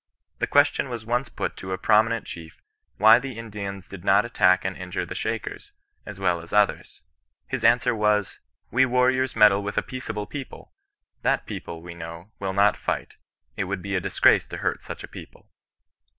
The question was once put to a prominent chief, why the Indians did not attack and injure the Shakers, as well as others. His answer was, ' We warriors meddle with a peaceable people ! That people, we know, will not fight. It would be a disgrace to hurt such a people.'